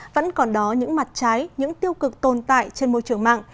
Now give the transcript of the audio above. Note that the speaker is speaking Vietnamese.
vẫn còn đó những mặt trái những tiêu cực tồn tại trên môi trường mạng